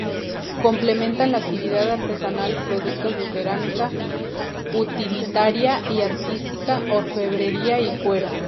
Complementan la actividad artesanal productos de cerámica, utilitaria y artística, orfebrería y cuero.